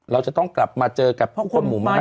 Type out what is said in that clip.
เราจะต้องกลับมาเจอกับคนหมู่มาก